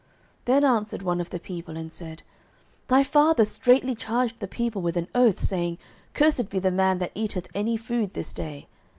09:014:028 Then answered one of the people, and said, Thy father straitly charged the people with an oath, saying, Cursed be the man that eateth any food this day.